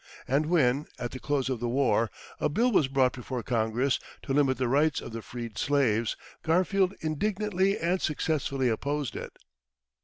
And when, at the close of the war, a bill was brought before Congress to limit the rights of the freed slaves, Garfield indignantly and successfully opposed it.